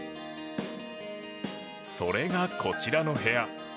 それがこちらの部屋。